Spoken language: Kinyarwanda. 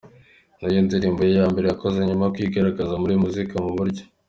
nayo ndirimbo ye ya mbere yakoze nyuma yo kwigaragaza muri muzika mu buryo.